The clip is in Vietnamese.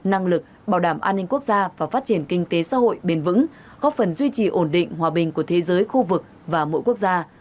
năng lực bảo đảm an ninh quốc gia và phát triển kinh tế xã hội bền vững góp phần duy trì ổn định hòa bình của thế giới khu vực và mỗi quốc gia